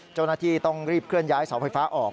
เจ้าหน้าที่ต้องรีบเคลื่อนย้ายเสาไฟฟ้าออก